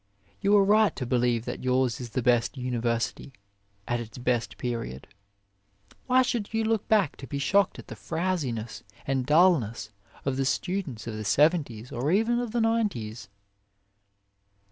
You are right to believe that yours is the best University, at its best period. Why should you look back to be shocked at the frowsiness and dullness of the students of the seventies or even of the nineties?